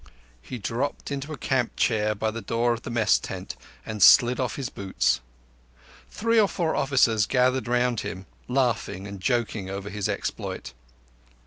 He dropped into a camp chair by the door of the Mess tent and slid off his boots. Three or four officers gathered round him, laughing and joking over his exploit.